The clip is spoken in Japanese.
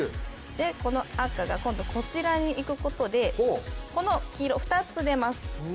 この赤がこちらに行くことで、この黄色、２つ出ます。